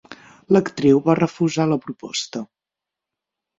L'actriu va refusar la proposta.